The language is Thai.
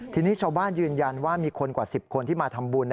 ทีนี้ชาวบ้านยืนยันว่ามีคนกว่า๑๐คนที่มาทำบุญ